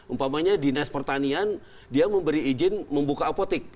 umpamanya dinas pertanian dia memberi izin membuka apotek